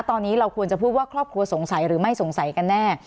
ตอนนี้เราควรจะพูดว่าครอบครัวสงสัยหรือไม่สงสัยกันแน่